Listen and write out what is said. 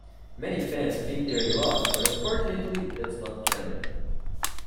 Many fans think they're in love, but unfortunately that's not canon.